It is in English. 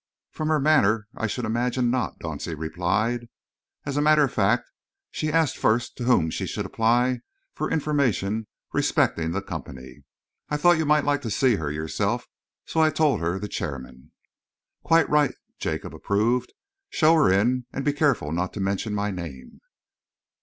"From her manner, I should imagine not," Dauncey replied. "As a matter of fact, she asked first to whom she should apply for information respecting the Company. I thought you might like to see her yourself, so I told her the Chairman." "Quite right," Jacob approved. "Show her in and be careful not to mention my name."